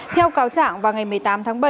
theo cáo trạng vào ngày một mươi năm tháng